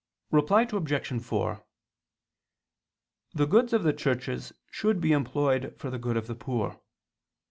Reply Obj. 4: The goods of the churches should be employed for the good of the poor.